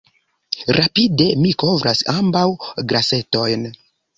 Rapide mi kovras ambaŭ glasetojn.